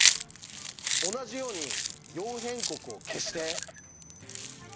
同じように「四辺国」を消して。